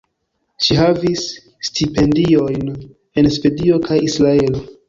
Ŝi havis stipendiojn en Svedio kaj Israelo.